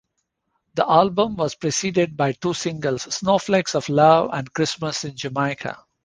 The album was preceded by two singles "Snowflakes of Love" and "Christmas in Jamaica".